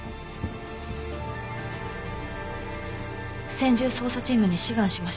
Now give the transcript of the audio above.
専従捜査チームに志願しました。